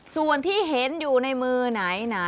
ส่วนที่เห็นอยู่ในมือไหนนะ